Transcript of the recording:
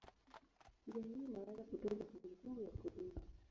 Njia hii inaweza kutunza kumbukumbu ya kudumu.